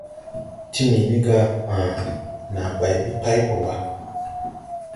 Timini: « Aã, naa bay ɓi pay ɓɔ wa. ».